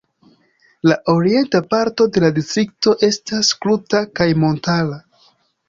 La orienta parto de la Distrikto estas kruta kaj montara.